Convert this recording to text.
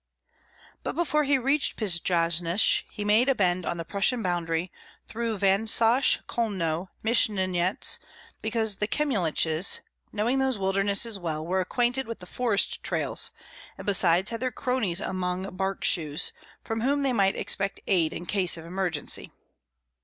But before he reached Pjasnysh he made a bend on the Prussian boundary through Vansosh, Kolno, and Myshynyets, because the Kyemliches, knowing those wildernesses well, were acquainted with the forest trails, and besides had their "cronies" among the Bark shoes, from whom they might expect aid in case of emergency.